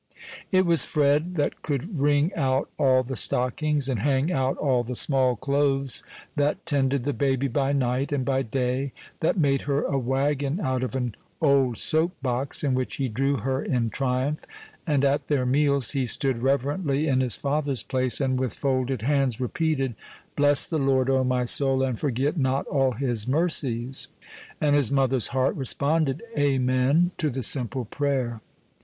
It was Fred that could wring out all the stockings, and hang out all the small clothes, that tended the baby by night and by day, that made her a wagon out of an old soap box, in which he drew her in triumph; and at their meals he stood reverently in his father's place, and with folded hands repeated, "Bless the Lord, O my soul, and forget not all his mercies;" and his mother's heart responded amen to the simple prayer.